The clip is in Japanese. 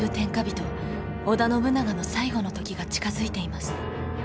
織田信長の最期の時が近づいています。